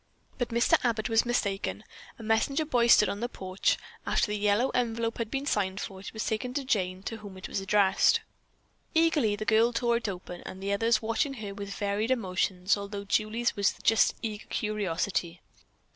But Mr. Abbott was mistaken. A messenger boy stood on the porch. After the yellow envelope had been signed for, it was taken to Jane, to whom it was addressed. Eagerly the girl tore it open, the others watching her with varied emotions, although Julie's was just eager curiosity.